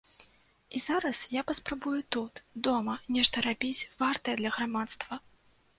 І зараз я паспрабую тут, дома, нешта рабіць вартае для грамадства.